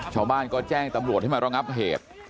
ชาวบ้านก็แจ้งตำรวจให้มาระงับเหตุ